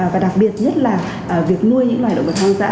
và đặc biệt nhất là việc nuôi những loài động vật hoang dã